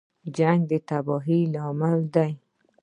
جنګ د تباهۍ لامل دی